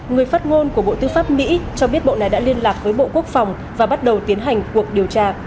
người phát ngôn của bộ tư pháp mỹ cho biết bộ này đã liên lạc với bộ quốc phòng và bắt đầu tiến hành cuộc điều tra